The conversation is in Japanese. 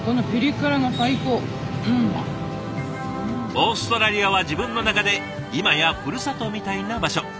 オーストラリアは自分の中で今やふるさとみたいな場所。